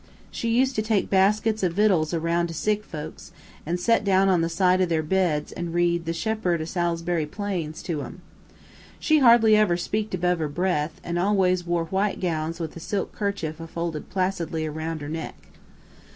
She used to take baskits of vittles aroun' to sick folks, an' set down on the side o' their beds an' read "The Shepherd o' Salisbury Plains" to 'em. She hardly ever speaked above her breath, an' always wore white gowns with a silk kerchief a folded placidly aroun' her neck.'